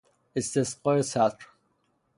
استسقاء صدر